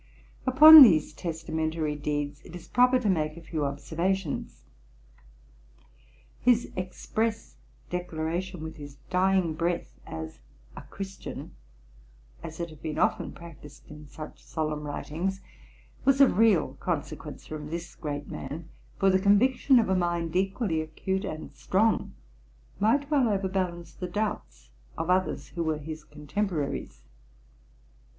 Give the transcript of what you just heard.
Upon these testamentary deeds it is proper to make a few observations. His express declaration with his dying breath as a Christian, as it had been often practised in such solemn writings, was of real consequence from this great man; for the conviction of a mind equally acute and strong, might well overbalance the doubts of others, who were his contemporaries.